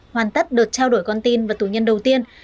hoàn tất đợt trao đổi con tin và tù nhân đầu tiên